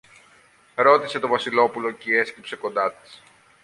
ρώτησε το Βασιλόπουλο κι έσκυψε κοντά της.